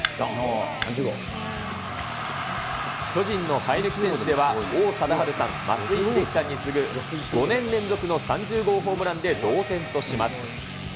巨人の生え抜き選手では王貞治さん、松井秀喜さんに次ぐ５年連続の３０号ホームランで同点とします。